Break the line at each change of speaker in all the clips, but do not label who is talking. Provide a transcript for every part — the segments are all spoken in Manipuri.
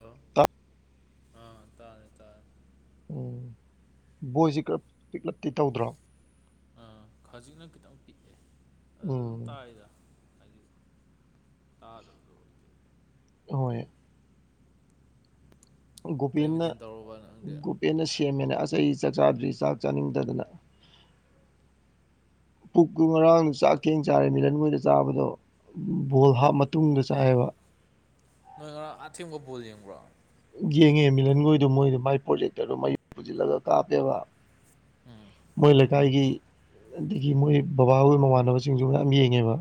ꯍꯜꯂꯣ ꯑꯥ ꯇꯥꯔꯦ ꯇꯥꯔꯦ
ꯎꯝ ꯕꯣꯏꯁꯤ ꯀꯞ ꯄꯤꯛꯂꯞꯇꯤ ꯇꯧꯗ꯭ꯔꯣ
ꯑ ꯈꯖꯤꯛꯅ ꯈꯤꯇꯪ ꯄꯤꯛꯑꯦ ꯑꯗꯨ ꯑꯗꯨꯝ
ꯎꯝ
ꯇꯥꯔꯤꯗ ꯍꯥꯏꯗꯤ ꯇꯥꯗꯕꯗꯣ
ꯍꯣꯏ
ꯀꯩ
ꯒꯣꯄꯦꯟꯅ
ꯃꯊꯦꯜ ꯇꯧꯔꯕ ꯅꯪꯗꯤ
ꯒꯣꯄꯦꯟꯅ ꯁꯦꯝꯃꯦꯅꯦ ꯑꯁ ꯆꯥꯛ ꯆꯥꯗ꯭ꯔꯤ ꯆꯥꯛ ꯆꯥꯅꯤꯡꯗꯗꯅ ꯄꯨꯛꯇꯨ ꯉꯔꯥꯡ ꯆꯥꯛ ꯊꯦꯡ ꯆꯥꯔꯦ ꯃꯤꯔꯟ ꯃꯣꯏꯗ ꯆꯥꯕꯗꯣ ꯕꯣꯜ ꯍꯥꯞ ꯃꯇꯨꯡꯗ ꯆꯥꯏꯌꯦꯕ
ꯅꯣꯏ ꯉꯔꯥꯡ ꯑꯊꯦꯡꯕꯥꯎ ꯕꯣꯜ ꯌꯦꯡꯕ꯭ꯔꯣ
ꯌꯦꯡꯉꯦ ꯃꯤꯂꯟꯈꯣꯏꯗꯣ ꯃꯣꯏꯗ ꯃꯥꯏ ꯄ꯭ꯔꯣꯖꯦꯛꯇꯔꯗꯨ ꯃꯌꯨꯝ ꯄꯨꯁꯤꯜꯂꯒ ꯀꯥꯞꯄꯦꯕ
ꯎꯝ
ꯃꯣꯏ ꯂꯩ ꯂꯩꯀꯥꯏꯒꯤ ꯑꯗꯒꯤ ꯃꯣꯏ ꯕꯕꯥꯍꯣꯏ ꯃꯃꯥꯟꯅꯕꯁꯤꯡꯁꯨ ꯃꯌꯥꯝ ꯌꯦꯡꯉꯦꯕ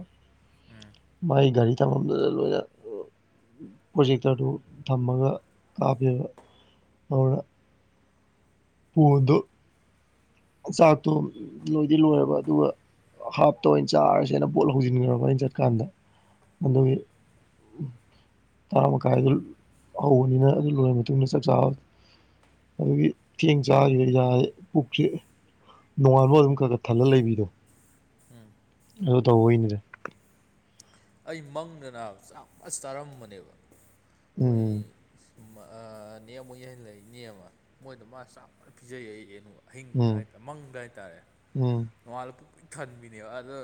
ꯃꯥꯏ ꯒꯥꯔꯤ ꯊꯝꯕꯝꯗꯨꯗ ꯂꯣꯏꯅ ꯄ꯭ꯔꯣꯖꯦꯛꯇꯔꯗꯨ ꯊꯝꯃꯒ ꯀꯥꯞꯄꯤꯕ ꯑꯗꯨꯅ ꯕꯣꯟꯗꯣ ꯆꯥꯛꯇꯣ ꯂꯣꯏꯗꯤ ꯂꯣꯏꯔꯕ ꯑꯗꯨꯒ ꯍꯥꯞꯇ ꯑꯣꯏꯅ ꯆꯥꯔꯁꯦ ꯑꯩꯅ ꯕꯣꯜ ꯍꯧꯖꯤꯟꯈ꯭ꯔꯕ ꯑꯩꯅ ꯆꯠꯀꯥꯟꯗ ꯃꯒꯤ ꯇꯔꯥ ꯃꯈꯥꯏꯗ ꯍꯧꯕꯅꯤꯅ ꯑꯗꯨ ꯂꯣꯏꯔꯕ ꯃꯇꯨꯡꯗ ꯆꯥꯛ ꯆꯥꯕ ꯑꯗꯨꯗꯒꯤ ꯆꯦꯡ ꯆꯥꯈꯤꯕꯒꯤ ꯏꯁꯥꯁꯤ ꯄꯨꯛꯁꯤ ꯅꯣꯡꯉꯥꯟꯕ ꯑꯗꯨꯝ ꯈꯔ ꯈꯔ ꯊꯜꯂꯒ ꯂꯩꯕꯤꯗꯣ
ꯎꯝ
ꯑꯗꯨ ꯇꯧꯕꯝꯕꯩꯅꯤꯗ
ꯑꯩ ꯃꯪꯗꯅ ꯆꯥꯛ ꯐꯖꯅ ꯆꯥꯔꯝꯕꯅꯦꯕ ꯑꯩꯈꯣꯏ
ꯎꯝ
ꯅꯦ ꯑꯃꯨꯛ ꯌꯦꯡꯍꯟ ꯂꯩ ꯏꯅꯦ ꯑꯃ ꯃꯣꯏꯗ ꯃꯥ ꯆꯥꯛ ꯄꯤꯖꯩ ꯑꯩ ꯑꯍꯤꯡꯗꯨꯗ
ꯎꯝ
ꯍꯥꯏꯇꯥꯔꯦ ꯃꯪꯗꯨꯗ ꯍꯥꯏꯇꯥꯔꯦ
ꯎꯝ
ꯅꯣꯡꯉꯥꯜꯂꯛꯄ ꯊꯟꯕꯤꯅꯦꯕ ꯑꯗꯣ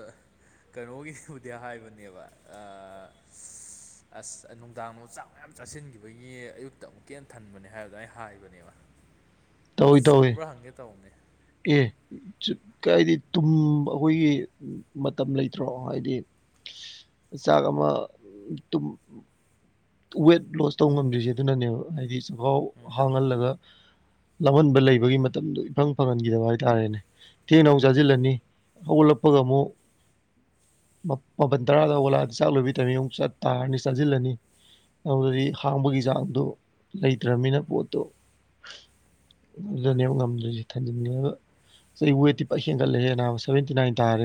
ꯀꯩꯅꯣꯒꯤꯕꯨꯗꯤ ꯍꯥꯏꯕꯅꯦꯕ
[inaudible]
ꯑꯁ ꯅꯨꯡꯗꯥꯡꯗꯣ ꯆꯥꯛ ꯃꯌꯥꯝ ꯆꯥꯁꯤꯟꯈꯤꯕꯒꯤ ꯑꯌꯨꯛꯇ ꯑꯃꯨꯛꯀ ꯍꯦꯟꯅ ꯊꯟꯕꯅꯦ ꯍꯥꯏꯕꯗ ꯑꯩ ꯍꯥꯏꯕꯅꯦꯕ
[inaudible]
ꯑꯁ
ꯇꯧꯏ
ꯆꯨꯝꯕ꯭ꯔꯥ ꯍꯪꯒꯦ ꯇꯧꯕꯅꯦ
ꯑꯦ ꯀꯥꯏꯗꯤ ꯇꯨꯝ ꯑꯩꯈꯣꯏꯒꯤ ꯃꯇꯝ ꯂꯩꯇ꯭ꯔꯣ ꯍꯥꯏꯗꯤ ꯆꯥꯛ ꯑꯃ ꯇꯨꯝ ꯋꯦꯠ ꯂꯣꯁ ꯇꯧ ꯉꯝꯗ꯭ꯔꯤꯁꯦ ꯑꯗꯨꯅꯅꯦꯕ ꯍꯥꯏꯗꯤ ꯆꯥꯛꯈꯥꯎ ꯍꯥꯡꯍꯜꯂꯒ ꯂꯥꯝꯍꯟꯕ ꯂꯩꯕꯒꯤ ꯃꯇꯝꯗꯣ ꯏꯐꯪ ꯐꯪꯍꯟꯈꯤꯗꯕ ꯍꯥꯏꯇꯥꯔꯦꯅꯦ ꯊꯦꯡꯅ ꯑꯃꯨꯛ
ꯎꯝ
ꯆꯥꯁꯤꯜꯂꯅꯤ ꯍꯧꯒꯠꯂꯛꯄꯒ ꯑꯃꯨꯛ ꯃꯥꯄꯜ ꯇꯔꯥꯗ ꯍꯧꯒꯠꯂꯛꯑꯗꯤ ꯆꯥꯛ ꯂꯣꯏꯕꯩ ꯇꯥꯏꯃꯤꯡ ꯇꯔꯅꯤ ꯑꯃꯨꯛ ꯆꯠ ꯇꯥꯔꯅꯤ ꯆꯥꯁꯤꯜꯂꯅꯤ ꯑꯗꯨꯗꯤ ꯍꯥꯡꯕꯒꯤ ꯆꯥꯡꯗꯣ ꯂꯩꯇ꯭ꯔꯃꯤꯅ ꯄꯣꯠꯇꯣ ꯑꯗꯨꯅꯦꯕ ꯉꯝꯗ꯭ꯔꯤꯁꯤ ꯊꯟꯖꯤꯟꯕꯒ ꯑꯩ ꯋꯦꯠꯇꯤ ꯐꯖꯅ ꯍꯦꯟꯒꯠꯂꯦ ꯅꯥꯕ ꯁꯦꯚꯦꯟꯇꯤ ꯅꯥꯏꯟ ꯇꯔꯦ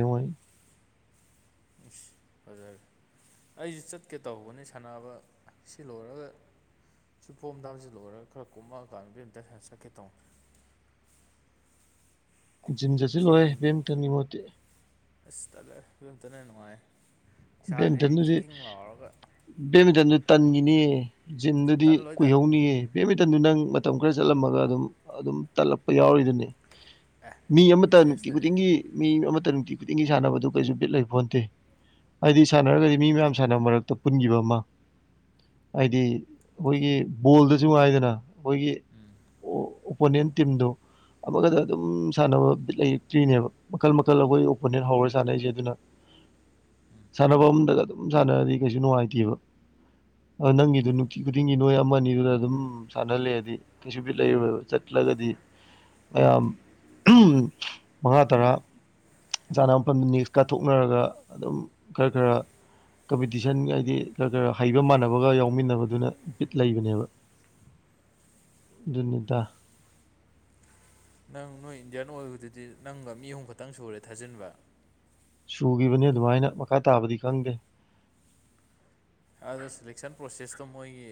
ꯐꯖꯔꯦ ꯑꯩꯁꯨ ꯆꯠꯀꯦ ꯇꯧꯕꯅꯦ ꯁꯥꯟꯅꯕ ꯁꯤ ꯂꯣꯏꯔꯒ ꯁꯤ ꯐꯣꯝꯊꯥꯕꯁꯤ ꯂꯣꯏꯔꯒ ꯈꯔ ꯀꯣꯝꯃꯛꯑꯀꯥꯟꯗ ꯑꯝꯇ ꯆꯠꯀꯦ ꯇꯧꯅꯤ
[inaudible] ꯖꯤꯝ
ꯁꯤ
ꯆꯠꯁꯤꯜꯂꯣꯍꯦ
ꯍꯪ
ꯕꯦꯠꯃꯤꯟꯇꯒꯤ ꯃꯍꯨꯠꯇꯤ
ꯑꯁ ꯇꯜꯂꯦ ꯕꯦꯠꯃꯤꯟꯇꯒꯤ ꯍꯦꯟꯅ ꯅꯨꯡꯉꯥꯏ ꯏꯁꯥꯁꯦ
ꯕꯦꯃꯤꯟꯇꯟꯗꯨꯗꯤ
ꯈꯤꯡ ꯈꯤꯡ ꯂꯥꯎꯔꯒ
ꯕꯦꯃꯤꯟꯇꯟꯗꯨ ꯇꯟꯒꯤꯅꯤꯌꯦ ꯖꯤꯝꯗꯨꯗꯤ
ꯇꯜꯂꯣꯏꯗ
ꯀꯨꯏꯍꯧꯅꯤꯌꯦ ꯇꯟꯗꯨ ꯅꯪ ꯃꯇꯝ ꯈꯔ ꯆꯠꯂꯝꯃꯒ ꯑꯗꯨꯝ ꯑꯗꯨꯝ ꯇꯠꯂꯛꯄ ꯌꯥꯎꯔꯤꯗꯨꯅꯤ ꯃꯤ ꯑꯃꯇ ꯅꯨꯡꯇꯤ
ꯏꯟꯇꯔꯦꯁ ꯂꯩꯔꯗꯤ
ꯈꯨꯗꯤꯡꯒꯤ ꯃꯤ ꯑꯃꯠꯇꯅꯤ ꯅꯨꯡꯇꯤ ꯈꯨꯗꯤꯡꯒꯤ ꯁꯥꯟꯅꯕꯗꯨ ꯀꯩꯁꯨ ꯕꯤꯠ ꯂꯩꯕꯣꯟꯇꯦ ꯍꯥꯏꯗꯤ ꯁꯥꯟꯅꯔꯒꯗꯤ ꯃꯤ ꯃꯌꯥꯝ ꯁꯥꯟꯅꯕ ꯃꯔꯛꯇ ꯄꯨꯟꯈꯤꯕ ꯑꯃ ꯍꯥꯏꯗꯤ ꯑꯩꯈꯣꯏꯒꯤ ꯕꯣꯜꯗꯁꯨ ꯍꯥꯏꯗꯅ ꯑꯩꯈꯣꯏꯒꯤ
ꯎꯝ
ꯑꯣ ꯑꯣꯄꯣꯅꯦꯟ ꯇꯤꯝꯗꯨ ꯑꯃꯒꯗ ꯑꯗꯨꯝ ꯁꯥꯟꯅꯕ ꯕꯤꯠ ꯂꯩꯇ꯭ꯔꯤꯅꯦꯕ ꯃꯈꯜ ꯃꯈꯜ ꯑꯩꯈꯣꯏ ꯑꯣꯄꯣꯅꯦꯟ ꯍꯥꯎꯔ ꯁꯥꯟꯅꯩꯁꯦ ꯑꯗꯨꯅ ꯁꯥꯟꯅꯕ ꯑꯝꯗꯗ ꯑꯗꯨꯝ ꯁꯥꯟꯅꯔꯗꯤ ꯀꯩꯁꯨ ꯅꯨꯡꯉꯥꯏꯇꯦꯕ ꯑ ꯅꯪꯒꯤꯗꯨ ꯅꯨꯡꯇꯤ ꯈꯨꯗꯤꯡꯒꯤ ꯅꯣꯏ ꯑꯃ ꯑꯅꯤꯗꯨꯗ ꯑꯗꯨꯝ ꯁꯥꯟꯅꯂꯩꯔꯗꯤ ꯀꯩꯁꯨ ꯕꯤꯠ ꯂꯩꯔꯣꯏꯕ ꯆꯠ ꯆꯠꯂꯒꯗꯤ ꯃꯌꯥꯝ ꯎꯝ ꯃꯉꯥ ꯇꯔꯥ ꯆꯥꯅꯕ ꯃꯐꯝꯗꯨ ꯅꯦꯛꯁ ꯀꯥ ꯊꯣꯛꯅꯔꯒ ꯑꯗꯨꯝ ꯈꯔ ꯈꯔ ꯀꯝꯄꯤꯇꯤꯁꯟ ꯍꯥꯏꯗꯤ ꯈꯔ ꯍꯩꯕ ꯃꯥꯟꯅꯕꯒ ꯌꯥꯎꯃꯤꯟꯅꯕꯗꯨꯅ ꯕꯤꯠ ꯂꯩꯕꯅꯦꯕ ꯗꯨꯅꯤꯗꯥ
ꯅꯪ ꯅꯣꯏ ꯏꯟꯗꯤꯌꯥꯟ ꯑꯣꯏꯕꯗꯨꯗꯤ ꯅꯪꯒ ꯃꯤ ꯑꯍꯨꯝ ꯈꯛꯇꯪ ꯁꯨꯔꯦ ꯊꯥꯖꯤꯟꯕ
ꯁꯨꯒꯤꯕꯅꯤ ꯑꯗꯨꯃꯥꯏꯅ ꯃꯈꯥ ꯇꯥꯕꯗꯤ ꯈꯪꯗꯦ
ꯑꯗꯨ ꯁꯦꯂꯦꯛꯁꯟ ꯄ꯭ꯔꯣꯁꯦꯁꯇꯣ ꯃꯣꯏꯒꯤ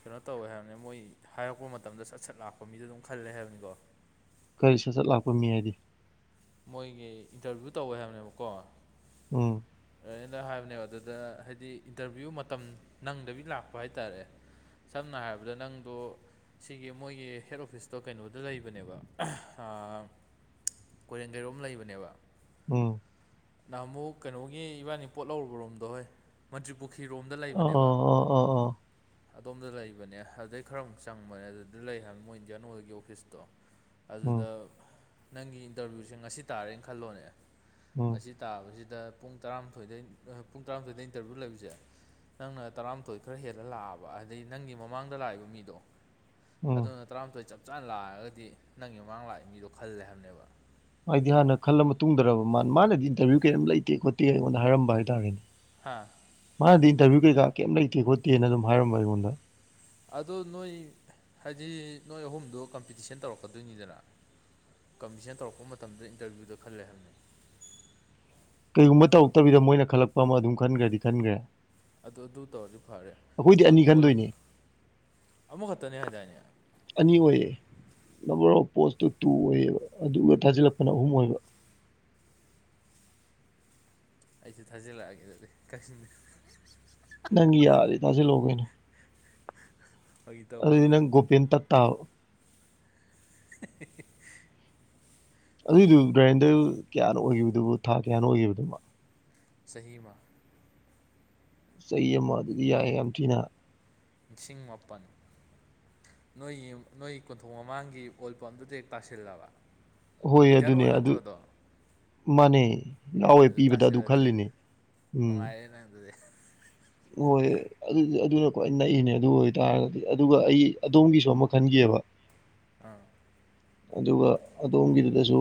ꯀꯩꯅꯣ ꯇꯧꯋꯦ ꯍꯥꯏꯕꯅꯤ ꯃꯣꯏ ꯍꯥꯏꯔꯛꯄ ꯃꯇꯝꯗ ꯁꯠ ꯁꯠ ꯂꯥꯛꯄ ꯃꯤꯗꯣ ꯑꯗꯨꯝ ꯈꯜꯂꯦ ꯍꯥꯏꯕꯅꯤꯀꯣ
ꯀꯔꯤ ꯁꯠ ꯁꯠ ꯂꯥꯛꯄ ꯃꯤ ꯍꯥꯏꯗꯤ
ꯃꯣꯏꯒꯤ ꯏꯟꯇꯔꯚꯤꯌꯨ ꯇꯧꯋꯦ ꯍꯥꯏꯕꯅꯦꯕꯀꯣ
ꯎꯝ
ꯍꯥꯏꯕꯅꯦꯕ ꯑꯗꯨꯗ ꯍꯥꯏꯗꯤ ꯏꯟꯇꯔꯚꯤꯌꯨ ꯃꯇꯝ ꯅꯪꯗꯕꯤ ꯂꯥꯛꯄ ꯍꯥꯏꯇꯥꯔꯦ ꯁꯝꯅ ꯍꯥꯏꯔꯕꯗ ꯅꯪꯗꯨ ꯁꯤꯒꯤ ꯃꯣꯏꯒꯤ ꯍꯦꯠ ꯑꯣꯐꯤꯁꯇꯣ ꯀꯩꯅꯣꯗ ꯂꯩꯕꯅꯦꯕ ꯑꯥ ꯀꯣꯏꯔꯦꯡꯒꯩꯔꯣꯝ ꯂꯩꯕꯅꯦꯕ
ꯎꯝ
ꯅꯍꯃꯨꯛ ꯀꯩꯅꯣꯒꯤ ꯏꯕꯥꯅꯤ ꯄꯣꯠ ꯂꯧꯔꯨꯕꯔꯣꯝꯗꯣ ꯍꯦ ꯃꯟꯇ꯭ꯔꯤ ꯄꯨ
ꯑ ꯑ ꯑ ꯑ ꯑ
ꯑꯗꯣꯝꯗ ꯂꯩꯕꯅꯦ ꯑꯗꯨꯗꯩ ꯈꯔ ꯑꯃꯨꯛ ꯆꯪꯕꯅꯦ ꯑꯗꯨꯗꯤ ꯂꯩ ꯍꯥꯏꯅꯤ ꯃꯣꯏ ꯏꯟꯗꯤꯌꯥꯟ ꯑꯣꯏꯜꯒꯤ ꯑꯣꯐꯤꯁꯇꯣ
ꯎꯝ
ꯑꯗꯨꯗ ꯅꯪꯒꯤ ꯏꯟꯇꯔꯚꯤꯌꯨꯁꯦ ꯉꯁꯤ ꯇꯥꯔꯦꯅ ꯈꯜꯂꯣꯅꯦ
ꯎꯝ
ꯉꯁꯤ ꯇꯥꯕꯁꯤꯗ ꯄꯨꯡ ꯇꯔꯥꯃꯥꯊꯣꯏꯗꯩ ꯄꯨꯡ ꯇꯔꯥꯃꯥꯊꯣꯏꯗ ꯏꯟꯇꯔꯚꯤꯌꯨ ꯂꯩꯕꯁꯦ ꯅꯪꯅ ꯇꯔꯥꯃꯥꯊꯣꯏ ꯈꯔ ꯍꯦꯜꯂ ꯂꯥꯛꯑꯕ ꯑꯗꯩ ꯅꯪꯒꯤ ꯃꯃꯥꯡꯗ ꯂꯥꯛꯏꯕ ꯃꯤꯗꯣ
ꯎꯝ
ꯑꯗꯨꯅ ꯇꯔꯥꯃꯥꯊꯣꯏ ꯆꯞ ꯆꯥꯅ ꯂꯥꯛꯑꯒꯗꯤ ꯅꯪꯒꯤ ꯃꯃꯥꯡ ꯂꯥꯛꯏ ꯃꯤꯗꯣ ꯈꯜꯂꯦ ꯍꯥꯏꯕꯅꯦꯕ
ꯍꯥꯏꯗꯤ ꯍꯥꯟꯅ ꯈꯜꯂ ꯃꯇꯨꯡꯨꯡꯗꯔꯕ ꯃꯥ ꯃꯥꯅꯗꯤ ꯏꯟꯇꯔꯚꯤꯌꯨ ꯀꯌꯦꯝ ꯂꯩꯇꯦ ꯈꯣꯠꯇꯦ ꯑꯩꯉꯣꯟꯗ ꯍꯥꯏꯔꯝꯕ ꯍꯥꯏꯇꯥꯔꯦꯅꯦ
ꯍꯥ
ꯃꯥꯅꯗꯤ ꯏꯟꯇꯔꯚꯤꯌꯨ ꯀꯩꯀꯥ ꯀꯩꯝ ꯂꯩꯇꯦ ꯈꯣꯠꯇꯦꯅ ꯑꯗꯨꯝ ꯍꯥꯏꯔꯝꯕ ꯑꯩꯉꯣꯟꯗ
ꯑꯗꯣ ꯅꯣꯏ ꯍꯥꯏꯗꯤ ꯅꯣꯏ ꯑꯍꯨꯝꯗꯣ ꯀꯝꯄꯤꯇꯤꯁꯟ ꯇꯧꯔꯛꯀꯗꯣꯏꯅꯤꯗꯅ ꯀꯝꯄꯤꯁꯟ ꯇꯧꯔꯛꯄ ꯃꯇꯝꯗ ꯏꯟꯇꯔꯚꯤꯌꯨꯗ ꯈꯜꯂꯦ ꯍꯥꯏꯕꯅꯤ
ꯀꯩꯒꯨꯝꯕ ꯇꯧꯔꯛꯇꯕꯤꯗ ꯃꯣꯏꯅ ꯈꯜꯂꯛꯄ ꯑꯃ ꯑꯗꯨꯝ ꯈꯟꯈ꯭ꯔꯗꯤ ꯈꯟꯈ꯭ꯔꯦ
ꯑꯗꯨ ꯑꯗꯨ ꯇꯧꯔꯗꯤ ꯐꯔꯦ
ꯑꯩꯈꯣꯏꯗꯤ
ꯃꯣꯏ
ꯑꯅꯤ
ꯀꯣꯜ
ꯈꯟꯗꯣꯏꯅꯦ
ꯑꯃꯈꯛꯇꯅꯦ ꯍꯥꯏꯗꯥꯏꯅꯦ
ꯑꯅꯤ ꯑꯣꯏꯌꯦ ꯅꯝꯕꯔ [unintelligible] ꯄꯣꯁꯇꯨ ꯇꯨ ꯑꯣꯏꯌꯦꯕ ꯑꯗꯨꯒ ꯊꯥꯖꯤꯜꯂꯛꯄꯅ ꯑꯍꯨꯝ ꯑꯣꯏꯕ
ꯑꯩꯁꯨ ꯊꯥꯖꯤꯜꯂꯛꯑꯒꯦ ꯑꯗꯨꯗꯤ ꯀꯛꯆꯤꯡꯅꯤ
ꯅꯪꯒꯤ ꯌꯥꯔꯗꯤ ꯊꯖꯤꯜꯂꯛ ꯑꯣ ꯀꯩꯅꯣ
ꯐꯥꯒꯤ
ꯑꯗꯨꯗꯤ
ꯇꯧꯕꯅꯤꯗ
ꯅꯪ ꯒꯣꯄꯦꯟ ꯇꯠ ꯇꯥꯕ
ꯍꯦꯛ ꯍꯦꯛ ꯍꯦꯛ
ꯑꯗꯨꯏꯗꯨ ꯒ꯭ꯔꯥꯏꯟꯗꯔ ꯀꯌꯥꯅꯣ ꯑꯣꯏꯒꯤꯕꯗꯨꯕꯨ ꯊꯥ ꯀꯌꯥꯅꯣ ꯑꯣꯏꯒꯤꯕꯗꯨꯕꯨ
ꯆꯍꯤꯃ
ꯆꯍꯤ ꯑꯃ ꯑꯗꯨꯗꯤ ꯌꯥꯏ ꯌꯥꯝ ꯊꯤꯅ
ꯂꯤꯁꯤꯡ ꯃꯥꯄꯟ ꯅꯣꯏꯒꯤ ꯅꯣꯏ ꯀꯣꯟꯊꯣꯡ ꯃꯃꯥꯡꯒꯤ ꯑꯣꯜꯄꯝꯗꯨꯗ ꯍꯦꯛ ꯇꯥꯁꯤꯜꯂꯕ
ꯍꯣꯏ
ꯏꯟꯗꯤꯌꯥꯟ
ꯑꯗꯨꯅꯦ
ꯑꯣꯏꯜ
ꯑꯗꯨ
ꯅꯠꯇ꯭ꯔꯣꯗꯣ
ꯃꯥꯅꯦ ꯌꯥꯎꯋꯦ ꯄꯤꯕꯗ ꯑꯗꯨ ꯈꯜꯂꯤꯅꯦ ꯎꯝ
ꯅꯨꯡꯉꯥꯏꯔꯦ ꯅꯪ ꯑꯗꯨꯗꯤ
ꯍꯣꯏ ꯑꯗꯨꯗꯤ ꯑꯗꯨꯅ ꯈꯋꯥꯏ ꯅꯛꯏꯅꯦ ꯑꯗꯨ ꯑꯣꯏꯇꯥꯔꯒꯗꯤ ꯑꯗꯨꯒ ꯑꯩ ꯑꯗꯣꯝꯒꯤꯁꯨ ꯑꯃ ꯈꯟꯒꯤꯑꯦ ꯑꯦꯕ [unintelligible]
ꯑꯥ
ꯑꯗꯨꯒ ꯑꯗꯣꯝꯒꯤꯗꯨꯗꯁꯨ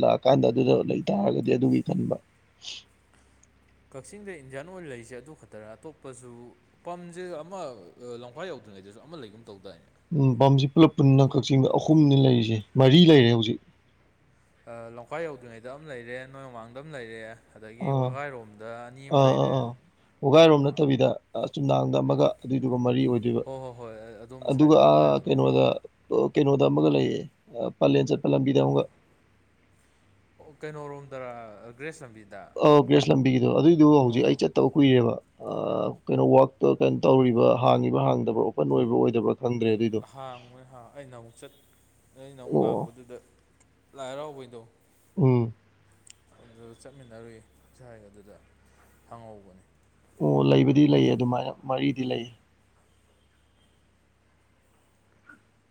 ꯂꯥꯛꯑꯀꯥꯟꯗ ꯑꯗꯨꯗ ꯂꯩꯇꯥꯥꯔꯒꯗꯤ ꯑꯗꯨꯒꯤ ꯈꯟꯕ [inaudible]
ꯀꯛꯆꯤꯡꯗ ꯏꯟꯗꯤꯌꯥꯟ ꯑꯣꯏꯅ ꯂꯩꯔꯤꯁꯦ ꯑꯗꯨ ꯈꯛꯇꯔ ꯑꯇꯣꯞꯄꯁꯨ ꯄꯝꯁꯦ ꯑꯃ ꯂꯝꯈꯏ ꯌꯧ ꯑꯗꯨ꯭ꯔꯤꯉꯩꯁꯨ ꯑꯃ ꯂꯩꯒꯨꯝ ꯇꯧꯗꯥꯏꯅꯤ
ꯎꯝ ꯄꯥꯝꯁꯤ ꯄꯨꯂꯞ ꯄꯨꯟꯅ ꯀꯛꯆꯤꯡꯗ ꯑꯍꯨꯝꯅꯤ ꯂꯩꯔꯤꯁꯦ ꯃꯔꯤ ꯂꯩꯔꯦ ꯍꯧꯖꯤꯛ
ꯂꯈꯥꯏ ꯌꯧꯗ꯭ꯔꯤꯉꯩꯗ ꯑꯃ ꯂꯩꯔꯦ ꯅꯣꯡ ꯃꯃꯥꯡꯗ ꯑꯃ ꯂꯩꯔꯦ ꯑꯗꯒꯤ
ꯑꯥ
ꯋꯥꯒꯥꯏꯔꯣꯝꯗ ꯑꯅꯤ ꯑꯃ
ꯑꯥ ꯑꯥ
ꯂꯩꯔꯦ
ꯑꯥ ꯋꯥꯒꯥꯏꯔꯣꯝ
ꯑꯥ
ꯅꯠꯇꯕꯤꯗ ꯑ ꯆꯨꯝꯅꯥꯡꯗ ꯑꯃꯒ ꯑꯗꯨꯏꯗꯨꯒ ꯃꯔꯤ ꯑꯣꯏꯗꯣꯏꯕ
ꯍꯣꯏ ꯍꯣꯏ ꯍꯣꯏ ꯑꯗꯣꯝ ꯁꯥꯏꯠ
ꯑꯗꯨꯒ
ꯋꯥꯒꯥꯏꯔꯣꯝꯗꯤ
ꯀꯩꯅꯣꯗ ꯀꯩꯅꯣꯗ ꯑꯃꯒ ꯂꯩꯌꯦ ꯄꯂꯦꯟ ꯆꯠꯄ ꯂꯝꯕꯤꯗ ꯑꯃꯒ
ꯑꯣ ꯀꯩꯅꯣꯔꯣꯝꯗꯒ꯭ꯔꯦꯁ ꯂꯝꯕꯤꯗ
ꯑ ꯒ꯭ꯔꯦꯁ ꯂꯝꯕꯤꯒꯤꯗꯣ ꯑꯗꯨꯏꯗꯨꯣ ꯍꯧꯖꯤꯛ ꯑꯩ
ꯑꯣ
ꯆꯠꯇꯕ ꯀꯨꯏꯔꯦꯕ ꯀꯩꯅꯣ ꯋꯥꯛꯇ ꯀꯩꯅꯣ ꯇꯧꯔꯤꯕ ꯍꯥꯡꯉꯤꯕ ꯍꯥꯡꯗꯕ꯭ꯔꯥ ꯑꯣꯄꯟ ꯑꯣꯏꯕ꯭ꯔꯥ ꯑꯣꯏꯗꯕ꯭ꯔꯥ ꯈꯪꯗ꯭ꯔꯦ ꯑꯗꯨꯏꯗꯣ
ꯍꯥꯡꯕꯣꯏ ꯍ ꯑꯩꯅ ꯑꯃꯨꯛ ꯆꯠ ꯑꯩꯅ ꯑꯃꯨꯛ
ꯑꯣ
ꯂꯥꯛꯄꯗꯨꯗ ꯂꯥꯏ ꯍꯔꯥꯎꯕꯩꯅꯤ
ꯎꯝ
ꯑꯗꯨꯗ ꯆꯠꯃꯤꯟꯅꯔꯨꯏ ꯁꯥꯏ ꯑꯗꯨꯗ ꯍꯪꯍꯧꯕꯅꯤ
ꯑꯣ ꯂꯩꯕꯗꯤ ꯂꯩ ꯑꯗꯨꯃꯥꯏꯅ ꯃꯔꯤꯗꯤ ꯂꯩ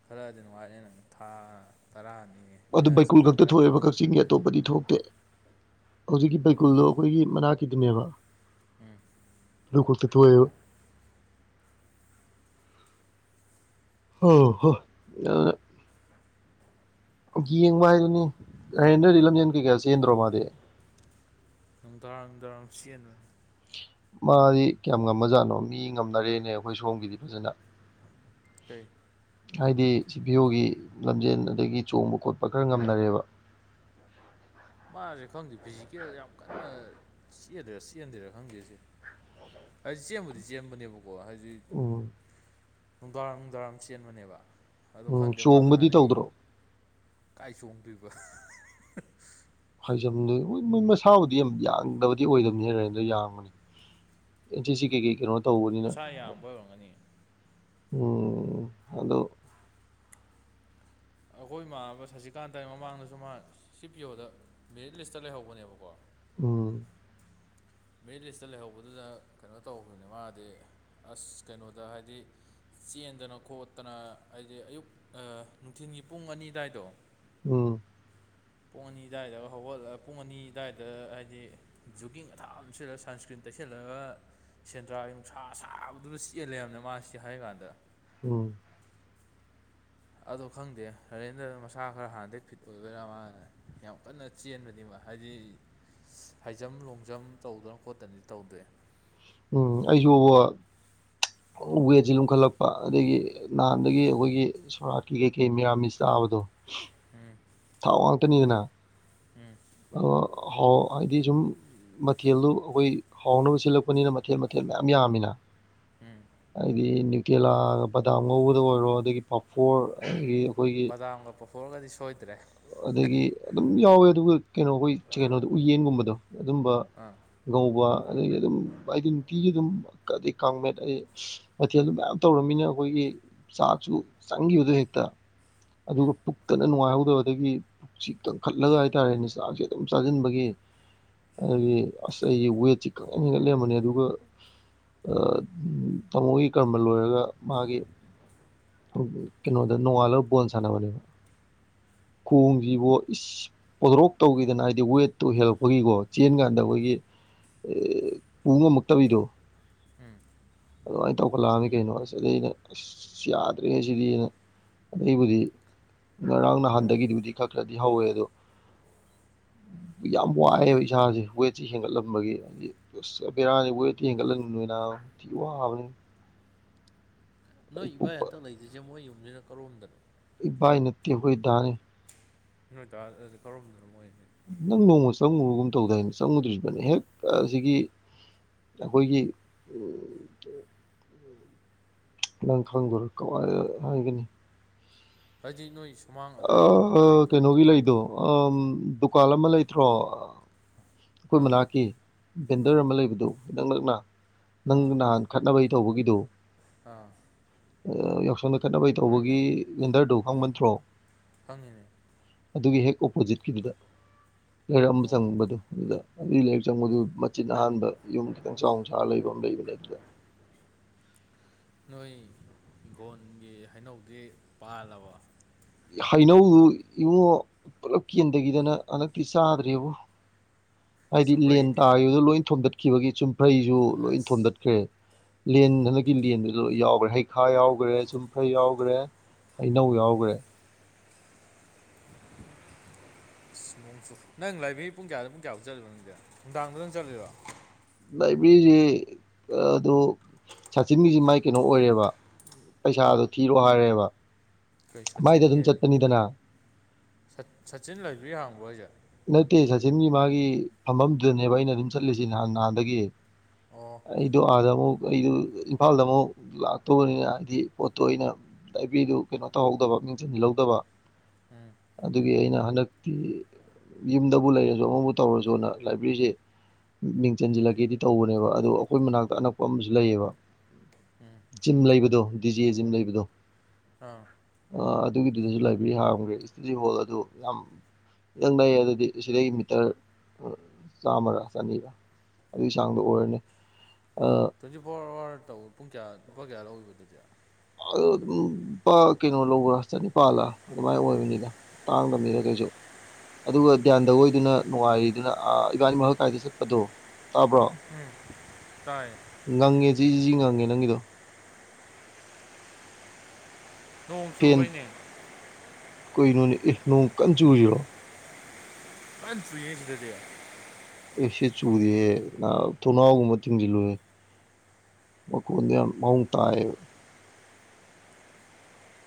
ꯈꯔꯗꯤ ꯋꯥꯠꯂꯦ ꯅꯪ ꯊꯥ ꯇꯔꯥꯅꯤ
ꯑꯗꯨ
ꯑꯦ
ꯕꯩꯀꯨꯜ
ꯊꯥ
ꯈꯛꯇ
ꯇꯔꯥꯅꯤꯊꯣꯏ
ꯊꯣꯛꯑꯦꯕ ꯀꯛꯆꯤꯡꯒꯤ ꯑꯇꯣꯞꯄꯗꯤ ꯊꯣꯛꯇꯦ ꯍꯧꯖꯤꯛꯀꯤ ꯀꯨꯜꯗꯣ ꯑꯩꯈꯣꯏꯒꯤ ꯃꯅꯥꯛꯀꯤꯗꯨꯅꯦꯕ
ꯎꯝ
ꯕꯀꯨꯜ ꯀꯊꯣꯛ ꯍ ꯍꯣ ꯑ ꯌꯦꯡꯕ ꯍꯥꯏꯗꯨꯅꯤ ꯍꯔꯦꯟꯗ꯭ꯔꯗꯤ ꯂꯝꯖꯦꯟ ꯀꯩꯀꯥ ꯆꯦꯟꯗ꯭ꯔꯣ ꯃꯥꯗꯤ
ꯅꯨꯡꯗꯥꯔꯝ ꯅꯨꯡꯗꯥꯔꯝ ꯆꯦꯟꯕꯅꯦ
ꯃꯥꯗꯤ ꯀꯌꯥꯝ ꯉꯝꯃꯖꯥꯠꯅꯣ ꯃꯤ ꯉꯝꯅꯔꯦꯅꯦ ꯑꯩꯈꯣꯏ ꯁꯣꯝꯒꯤꯗꯤ ꯐꯖꯅ
ꯇꯦ
ꯍꯥꯏꯗꯤ ꯁꯤꯚꯤꯌꯣꯒꯤ ꯂꯝꯖꯦꯟ ꯑꯗꯒꯤ ꯆꯣꯡꯕ ꯈꯣꯠꯄ ꯈꯔ ꯉꯝꯅꯔꯦꯕ [inaudible]
ꯃꯥꯁꯦ ꯈꯪꯗꯦ ꯐꯤꯖꯤꯀꯦꯜ ꯌꯥꯝ ꯀꯟꯅꯗꯦꯔ ꯆꯦꯍꯗꯦꯔꯥ ꯈꯪꯗꯦꯁꯦ ꯑꯩ ꯆꯦꯟꯕꯨꯗꯤ ꯆꯦꯟꯕꯅꯦꯕ ꯑꯣ ꯍꯥꯏꯗꯤ
ꯎꯝ
ꯅꯨꯡꯗꯥꯡꯏꯔꯝ ꯅꯨꯡꯗꯥꯏꯔꯝ ꯆꯦꯟꯕꯅꯦꯕ ꯑꯗꯣ
ꯎꯝ
ꯈꯪꯗꯦ ꯃꯥ
ꯆꯣꯡꯕꯗꯤ
ꯍꯥꯟꯅꯩ
ꯇꯧꯗ꯭ꯔꯣ
ꯀꯥꯏ ꯆꯣꯡꯗꯣꯏꯕ
ꯐꯩꯖꯝꯗꯨ ꯃꯣꯏ ꯃꯣꯏ ꯃꯁꯥꯕꯨꯗꯤ ꯌꯥꯝ ꯌꯥꯡꯗꯕꯗꯤ ꯑꯣꯏꯗꯕꯅꯤ ꯔꯦꯟꯗꯣ ꯌꯥꯡꯕꯅꯤ ꯆꯦ ꯁꯤ ꯀꯦ ꯀꯦ ꯀ꯭ꯔꯣ
ꯃꯁꯥ ꯌꯥꯝꯕ ꯑꯣꯏꯔꯝꯒꯅꯤ
ꯎꯝ ꯑꯗꯣ
ꯑꯩꯈꯣꯏ ꯏꯃꯥꯟꯅꯕ ꯁꯖꯤꯀꯥꯟꯇꯒꯤ ꯃꯃꯥꯡꯗꯁꯨ ꯃꯥ ꯁꯤ ꯄꯤꯌ ꯑꯣꯗ ꯃꯦꯔꯤꯠ ꯂꯤꯁꯇ ꯂꯩꯍꯧꯕꯅꯦꯕꯀꯣ
ꯎꯝ
ꯃꯦꯔꯤꯠ ꯂꯤꯁꯇ ꯂꯩꯍꯧꯕꯗꯨꯗ ꯀꯩꯅꯣ ꯇꯧꯕꯅꯦ ꯃꯥꯗꯤ ꯑꯁ ꯀꯩꯅꯣꯗ ꯍꯥꯏꯗꯤ ꯆꯦꯟꯗꯅ ꯈꯣꯠꯇꯅ ꯍꯥꯏꯗꯤ ꯑꯌꯨꯛ ꯅꯨꯡꯊꯤꯟꯒꯤ ꯄꯨꯡ ꯑꯅꯤ ꯑꯗꯨꯋꯥꯏꯗꯣ
ꯎꯝ
ꯄꯨꯡ ꯑꯅꯤ ꯑꯗꯨꯋꯥꯏꯗ ꯍꯧꯒꯠꯂꯒ ꯄꯨꯡ ꯑꯅꯤ ꯑꯗꯨꯋꯥꯏꯗ ꯍꯥꯏꯗꯤ ꯖꯨꯀꯤꯡ ꯑꯊꯥꯝ ꯂꯤꯠꯁꯜꯂ ꯁꯟꯁꯀ꯭ꯔꯤꯟ ꯇꯩꯁꯜꯂꯒ ꯁꯦꯟꯗ꯭ꯔꯥ ꯅꯨꯡꯁ꯭ꯔꯥ ꯁꯥꯕꯗꯨꯗ ꯆꯦꯜꯂꯦꯕꯅ ꯃꯥꯁꯤ ꯍꯥꯏ ꯀꯥꯟꯗ
ꯎꯝ
ꯑꯗꯣ ꯈꯪꯗꯦ ꯅꯔꯦꯟꯗ ꯃꯁꯥ ꯈꯔ ꯍꯥꯟꯗꯦ ꯐꯤꯠ ꯑꯣꯏꯕꯔꯥ ꯃꯥꯜꯅ ꯌꯥꯝ ꯀꯟꯅ ꯆꯦꯟꯕꯗꯤ ꯃꯥ ꯍꯥꯏꯗꯤ ꯍꯥꯏ ꯖꯝ ꯂꯣꯡ ꯖꯝ ꯇꯧꯗꯅ ꯈꯣꯠꯇꯅꯗꯤ ꯇꯧꯗꯣꯏ
ꯎꯝ ꯑꯩꯁꯨꯕ ꯋꯦꯠꯁꯤ ꯂꯨꯝꯈꯠꯂꯛꯄ ꯑꯗꯒꯤ ꯅꯍꯥꯟꯗꯒꯤ ꯑꯩꯈꯣꯏꯒꯤ ꯁꯣꯔꯥꯥꯛꯠꯀꯤ ꯀꯩꯀꯩ ꯃꯤꯔꯥꯃꯤꯁ ꯇꯥꯕꯗ ꯗꯣ ꯊꯥꯎ ꯋꯥꯡꯇꯅꯤꯒꯅ
ꯎꯝ
ꯑ ꯍꯥꯎ ꯍꯥꯏꯗꯤꯖꯨꯝ ꯃꯊꯦꯜꯗꯨ ꯑꯩꯈꯣꯏ ꯍꯥꯎꯅꯕ ꯁꯤꯜꯂꯛꯄꯅꯤꯅ ꯃꯊꯦꯜ ꯃꯊꯦꯜ ꯃꯌꯥꯝ ꯌꯥꯝꯃꯤꯅ ꯑꯩꯗꯤ ꯇꯦꯂꯥꯒ ꯕꯗꯥꯝ ꯉꯧꯕꯗ ꯑꯣꯏꯔꯣ ꯑꯗꯒꯤ ꯄꯥꯐꯣꯔ ꯑꯗꯒꯤ ꯑꯩꯈꯣꯏꯒꯤ
ꯕꯗꯥꯝꯒ ꯄꯨꯣꯛꯊꯣꯛꯑꯒꯗꯤ ꯁꯣꯏꯗ꯭ꯔꯦ
ꯑꯗꯒꯤ ꯑꯗꯨꯝ ꯌꯥꯎꯋꯦ ꯑꯗꯨꯒ ꯀꯩꯅꯣ ꯑꯩꯈꯣꯏ ꯀꯩꯅꯣꯗ ꯎꯌꯦꯟꯒꯨꯝꯕꯗꯣ ꯑꯗꯨꯝꯕ
ꯑꯥ
ꯉꯧꯕ ꯑꯗꯒꯤ ꯑꯗꯨꯝ ꯑꯩꯗ ꯅꯨꯇꯤꯒꯤ ꯑꯗꯨꯝꯩ ꯀꯥꯡꯃꯦꯠ ꯑꯩ ꯃꯊꯦꯜ ꯑꯗꯨ ꯃꯌꯥꯝ ꯇꯧꯔꯕꯃꯤꯅ ꯑꯩꯈꯣꯏꯒꯤ ꯆꯆꯨ ꯆꯉꯤ ꯎꯗꯨ ꯍꯦꯛꯇ ꯑꯗꯨꯒ
ꯎꯝ
ꯄꯨꯛꯇꯅ ꯅꯨꯡꯉꯥꯏꯍꯧꯗꯕꯗꯒꯤ ꯄꯨꯛꯁꯤ ꯀꯟꯈꯠꯂꯒ ꯍꯥꯏꯇꯥꯔꯦꯅꯦ ꯍꯛ ꯆꯥꯡꯁꯦ ꯑꯗꯨꯝ ꯆꯥꯁꯤꯟꯕꯒꯤ ꯍꯥꯏꯗꯤ ꯑꯁ ꯑꯩꯒꯤ ꯋꯦꯠꯁꯤ ꯀꯛꯍ ꯍꯦꯟꯒꯠ ꯂꯩꯔꯝꯕꯅꯦ ꯑꯗꯨꯒ ꯇꯥꯃꯣꯒꯤ ꯀꯔꯃ ꯂꯣꯏꯔꯒ ꯃꯥꯒꯤ ꯀꯩꯅꯣꯗ ꯅꯣꯡꯉꯂꯣ ꯁꯅ ꯃꯅꯤ ꯀꯣꯡꯁꯤꯕꯨ ꯏꯁ ꯑꯣꯗꯔꯣꯛ ꯇꯧꯈꯤꯗꯅ ꯍꯥꯏꯗꯤ ꯋꯦꯠꯇꯣ ꯍꯦꯜꯂꯛꯄꯒꯤꯀꯣ ꯆꯦꯟ ꯀꯥꯟꯗ ꯑꯩꯈꯣꯏꯒꯤ ꯄꯨꯡ ꯑꯃꯨꯛꯇꯕꯤꯗꯣ
ꯎꯝ
ꯑꯗꯨꯃꯥꯏꯅ ꯇꯧꯈꯠꯂꯛꯑꯃꯤ ꯀꯩꯅꯣ ꯑꯁꯤꯗ ꯑꯩꯅ ꯑꯁ ꯌꯥꯗ꯭ꯔꯤꯉꯩꯁꯤꯗꯤ ꯑꯩꯅ ꯑꯗꯩꯕꯨꯗꯤ ꯉꯔꯥꯡ ꯅꯍꯥꯟꯗꯒꯤꯗꯨꯕꯨꯗꯤ ꯈꯔ ꯈꯔꯗꯤ ꯍꯧꯋꯦ ꯑꯗꯣ ꯌꯥꯝ ꯋꯥꯏꯑꯦꯕ ꯏꯁꯥꯁꯦ ꯋꯦꯠꯁꯤ ꯍꯦꯟꯒꯠꯂꯝꯟꯕꯒꯤ ꯍꯥꯏꯗꯤꯔꯥꯅꯤ ꯋꯦꯠꯇꯤ ꯍꯦꯟꯒꯠꯍꯟꯃꯤꯕꯅꯤꯏꯅ ꯎꯍꯕꯅꯤ
ꯅꯣꯏ ꯏꯕꯥꯏ ꯍꯟꯇꯛ ꯂꯩꯗ꯭ꯣꯏꯁꯦ ꯃꯣꯏ ꯌꯨꯝꯁꯤꯅ ꯀꯧꯔꯣꯝꯗꯅꯣ
ꯏ ꯅꯨꯠꯇ ꯀꯣꯏꯗꯥꯅꯤ
ꯅꯣꯏ ꯇ ꯀꯧꯔꯝꯗꯅ ꯃꯣꯏꯅꯤ
ꯅꯪ ꯅꯣꯡꯃ ꯆꯪꯉꯨꯨꯔꯒꯨꯝ ꯇꯧꯗꯥ ꯍꯥꯏꯅ ꯆꯪꯉꯨꯗ꯭ꯔꯤꯕꯅꯤ ꯍꯦꯛ ꯑꯁꯤꯒꯤ ꯑꯩꯈꯣꯏꯒꯤ ꯅꯪ ꯈꯪꯗꯔꯀ ꯍꯥꯏꯒꯅꯤ
ꯍꯖꯤ ꯅꯣꯏ ꯁ
ꯑ ꯀꯩꯅꯣꯒꯤ ꯂꯩꯗꯣ ꯑ ꯗꯨꯀꯥꯟ ꯑꯃ ꯂꯩꯇ꯭ꯔꯣ ꯑꯩꯈꯣꯏ
ꯑꯥ
ꯃꯅꯥꯛꯀꯤ ꯚꯦꯟꯗꯔ
ꯑꯥ
ꯑꯃ ꯂꯩꯕꯗꯨ ꯅꯛ ꯅꯛꯅ ꯅꯪ
ꯑꯥ
ꯅꯍꯥꯟ ꯈꯠꯅꯕꯩ ꯇꯧꯕꯒꯤꯗꯣ
ꯑꯥ
ꯌꯥꯎꯁꯪꯗ ꯈꯦꯠꯅꯕꯩ ꯇꯧꯕꯒꯤ ꯋꯦꯟꯗꯔꯗꯨ ꯈꯪꯕꯟꯠꯇ꯭ꯔꯣ
ꯈꯪꯉꯤꯅꯦ
ꯑꯗꯨꯒꯤ ꯍꯦꯛ ꯑꯣꯄꯣꯖꯤꯠꯈꯤꯕꯗꯨꯗ ꯂꯩꯔꯛꯑꯝꯕ
ꯑꯣ
ꯆꯪꯕꯗꯣ ꯑꯗꯨꯗ ꯑꯗꯨꯗꯒꯤ ꯂꯥꯏꯔꯤꯛ ꯆꯪꯕꯗꯨ ꯃꯆꯤꯟ ꯑꯍꯥꯟꯕ ꯌꯨꯝ ꯈꯤꯇꯪ ꯆꯥꯎꯅ ꯁꯥꯔ ꯂꯩꯕ ꯑꯃ ꯂꯩꯕꯅꯦ ꯑꯗꯨꯗ [inaudible]
ꯅꯣꯏꯒꯣꯟꯒꯤ ꯍꯩꯅꯧꯗꯤ ꯄꯥꯜꯂꯕ
ꯍꯩꯅꯧꯗꯨ ꯏꯉꯣ ꯄꯨꯂꯞ ꯀꯦꯟꯈꯤꯗꯅ ꯍꯟꯗꯛꯇꯤ ꯆꯥꯗ꯭ꯔꯦꯕꯨ ꯍꯥꯏꯗꯤ ꯂꯦꯟ
ꯆꯨꯝꯄ꯭ꯔꯩꯗꯤ
ꯇꯥꯈꯤꯕꯗꯨꯣ ꯂꯣꯏ ꯊꯣꯝꯗꯠꯈꯤꯕꯒꯤ ꯆꯨꯝꯐ꯭ꯔꯩꯁꯨ ꯂꯣꯏ
ꯑꯁ
ꯊꯣꯝꯗꯠꯈ꯭ꯔꯦ ꯂꯦꯟ ꯍꯟꯗꯛꯀꯤ ꯂꯦꯟꯗꯨ ꯂꯣꯏ ꯌꯥꯎꯈ꯭ꯔꯦ ꯍꯩꯈꯥ ꯌꯥꯎꯈ꯭ꯔꯦ ꯆꯨꯝꯐ꯭ꯔꯩ ꯌꯥꯎꯈ꯭ꯔꯦ ꯑꯩꯅꯧ ꯌꯥꯎꯈ꯭ꯔꯦ ꯍ
ꯁ ꯅꯪ ꯂꯥꯏꯕ ꯄꯨꯡ ꯀꯌꯥꯗ ꯄꯨꯡ ꯀꯌꯥꯐꯥꯎꯛ ꯆꯠꯂꯤꯕꯣ ꯅꯪꯗꯤ ꯅꯨꯡꯗꯥꯡꯗ ꯑꯗꯨꯪ ꯆꯠꯂꯤꯕꯣ
ꯂꯥꯏꯕ꯭ꯔꯦꯔꯤꯁꯤ ꯑꯗꯨ ꯁꯥꯆꯤꯟꯒꯤꯁꯤ ꯃꯥꯏ ꯀꯩꯅꯣ ꯑꯣꯏꯔꯦꯕ ꯄꯩꯁꯥꯗꯨꯣ ꯊꯤꯔꯣ ꯍꯥꯏꯔꯦꯕ
ꯑꯩꯈꯣꯏ
ꯃꯥꯏꯗ
ꯁꯆꯤꯟꯒ
ꯑꯗꯨꯝ
ꯍꯥꯏꯗꯤ
ꯆꯠꯄꯅꯤꯗꯅ
ꯁꯆꯤꯟ ꯂꯩꯕ꯭ꯔꯤ ꯍꯥꯡꯕ ꯍꯣꯏꯁꯦ
ꯅꯠꯇꯦ ꯁꯆꯤꯟꯒꯤ ꯃꯥꯒꯤ ꯐꯝꯐꯝꯗꯨꯗꯅꯦꯕ ꯑꯩꯅ ꯑꯗꯨꯝ ꯆꯠꯂꯤꯁꯤ ꯅꯍꯥꯟ ꯅꯍꯥꯟꯗꯒꯤ
ꯑꯣ
ꯏꯗꯣ ꯑꯖꯕ ꯑꯩꯗꯨ ꯏꯝꯐꯥꯜꯗ ꯑꯃꯨꯛ ꯂꯥꯛꯇꯧꯕꯅꯤꯅ ꯍꯥꯏꯕꯗꯤ ꯄꯣꯠꯇꯣ ꯑꯩꯅ ꯂꯕꯤꯗꯨ ꯀꯩꯅꯣ ꯇꯧꯍꯧꯗꯕ ꯃꯤꯡꯁꯤꯟꯜꯍꯧꯗꯕ
ꯎꯝ
ꯑꯗꯨꯒꯤ ꯑꯩꯅ ꯍꯟꯗꯛꯇꯤ ꯌꯨꯝꯗꯕꯨ ꯂꯩꯔꯁꯨ ꯑꯃꯕꯨ ꯇꯧꯔꯁꯨꯅ ꯂꯥꯏꯕ꯭ꯔꯦꯔꯤꯁꯤꯦ ꯃꯤꯡ ꯆꯟꯁꯤꯜꯂꯒꯦꯗꯤ ꯇꯧꯕꯅꯦꯕ ꯑꯗꯨꯣ ꯑꯩꯈꯣꯏ ꯃꯅꯥꯛꯇ ꯑꯅꯛꯄ ꯑꯃꯁꯨ ꯂꯩꯌꯦꯕ
ꯎꯝ
ꯖꯤꯝ ꯂꯩꯕꯗꯣ ꯗꯤꯖꯤ ꯖꯤꯝ ꯂꯩꯕꯗꯣ
ꯑꯥ
ꯑ ꯑꯗꯨꯒꯤꯗꯨꯗꯁꯨ ꯂꯥꯏꯕ꯭ꯔꯦꯔꯤ ꯍꯥꯡꯈ꯭ꯔꯦ ꯏꯁꯇꯗꯤ ꯍꯣꯜ ꯑꯗꯨ ꯌꯥꯝ ꯈꯤꯇꯪ ꯂꯩꯌꯦ ꯑꯗꯨꯗꯤ ꯁꯤꯗꯩ ꯃꯤꯇꯔ ꯆꯥꯝꯃꯔꯥ ꯆꯅꯤꯔ ꯑꯗꯨꯒꯤ ꯆꯥꯡꯗꯣ ꯑꯣꯏꯔꯅꯤ
ꯇ꯭ꯋꯦꯟꯇꯤ ꯐꯣꯔ ꯑꯋꯥꯔ ꯇꯧ ꯄꯨꯡ ꯀꯌꯥ ꯂꯨꯄꯥ ꯀꯌꯥ ꯂꯧꯤꯕꯗꯨꯗꯤ
ꯑꯗꯨ ꯑꯗꯨꯝ ꯂꯨꯄꯥ ꯀꯩꯅꯣ ꯂꯧꯕ꯭ꯔꯥ ꯆꯅꯤꯄꯥꯜꯂ ꯑꯗꯨꯃꯥꯏꯅ ꯑꯣꯏꯕꯅꯤꯗ ꯇꯥꯡꯗꯕꯅꯤꯗ ꯀꯩꯁꯨ ꯑꯗꯨꯒ ꯒ꯭ꯌꯥꯟꯗ ꯑꯣꯏꯗꯨꯅ ꯅꯨꯡꯉꯥꯏꯔꯤꯗꯨꯅ ꯏꯕꯥꯅꯤ ꯃꯈ ꯀꯥꯏꯗ ꯆꯠꯄꯗꯣ ꯇꯥꯕ꯭ꯔꯣ
ꯎꯝ ꯇꯥꯏ
ꯉꯪꯉꯦ ꯁꯤ ꯉꯪꯉꯦ ꯅꯪꯒꯤꯗꯣ
ꯅꯣꯡ ꯆꯨꯕꯩꯅꯦ
ꯀꯨꯩꯅꯣꯅꯦ ꯏ ꯅꯣꯡ ꯀꯟ ꯆꯨꯔꯤꯔꯣ
ꯄ ꯁ ꯌꯦꯁꯤꯗꯗ
ꯑꯩ ꯁꯤ ꯆꯨꯔꯤꯌꯦꯦ ꯅ ꯊꯣꯡꯅꯥꯎꯒꯨꯝꯕ ꯊꯤꯡꯖꯤꯜꯂꯨꯍꯦ ꯃ ꯃꯡ ꯇꯑ